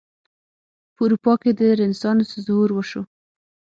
په اروپا کې د رنسانس ظهور وشو.